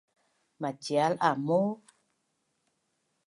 Macial amuu?